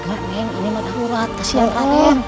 enggak nen ini matahari atas yang ada ya